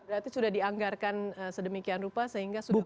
berarti sudah dianggarkan sedemikian rupa sehingga sudah